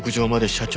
社長。